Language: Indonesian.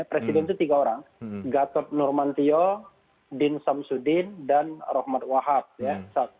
presiden itu tiga orang gatot nurmantio din samsudin dan rohmat wahab ya